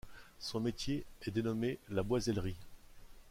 Son métier est dénommé la boissellerie.